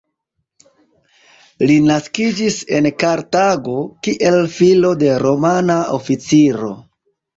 Li naskiĝis en Kartago, kiel filo de Romana oficiro.